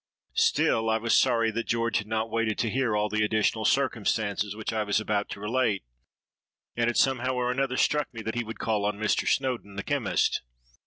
Still I was sorry that George had not waited to hear all the additional circumstances which I was about to relate; and it somehow or another struck me that he would call on Mr. Snowdon, the chemist.